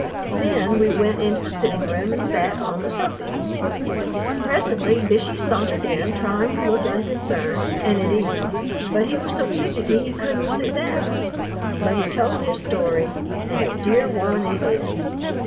Then we went into the sitting room and sat on the "sofy." Presently Bishey sauntered in, trying to look unconcerned and at ease, but he was so fidgety he couldn't sit down. But he told his story, and a dear one it is.